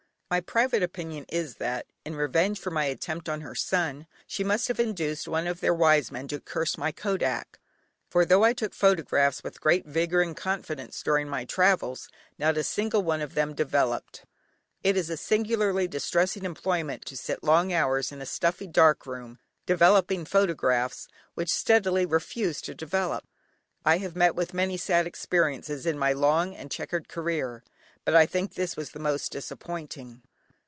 My private opinion is, that in revenge for my attempt on her son, she must have induced one of their wise men to curse my kôdak, for though I took photographs with great vigour and confidence during my travels, not a single one of them developed. It is a singularly distressing employment to sit long hours in a stuffy dark room, developing photographs which steadily refuse to develop. I have met with many sad experiences in my long and chequered career, but I think this was the most disappointing.